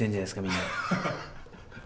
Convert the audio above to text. みんな。